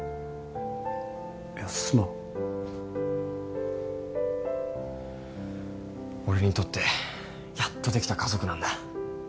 いやすまん俺にとってやっとできた家族なんだ